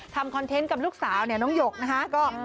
ทำคอนเทนต์กับลูกสาวน้องหยกนะครับ